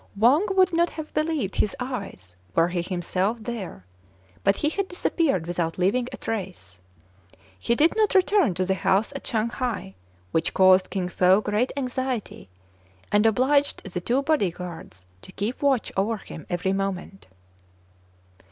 Wang would not have believed his eyes were he himself there, but he had disappeared without leaving a trace. He did not return to the house at Shang hai ; which caused Kin Fo great anxiety, and obliged the two body guards to keep watch over him every moment.